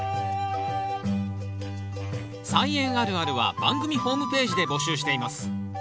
「菜園あるある」は番組ホームページで募集しています。